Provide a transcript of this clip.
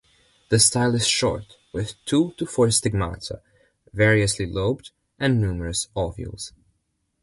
The style is short, with two to four stigmata, variously lobed, and numerous ovules.